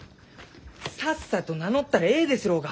さっさと名乗ったらえいですろうが！